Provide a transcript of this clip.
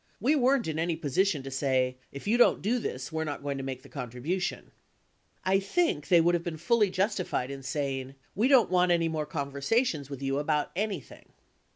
We weren't in any position to say, if you don't do this we're not going to make the contribution. sfc * jfs * sfc I think they would have been fully justified in saying, "we don't want any more conversations with you about any thing."